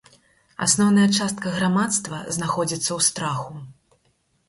Асноўная частка грамадства знаходзіцца ў страху.